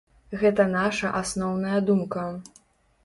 Гэта наша асноўная думка.